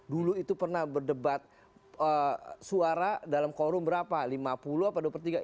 dulu itu pernah berdebat suara dalam quorum berapa lima puluh apa dua puluh tiga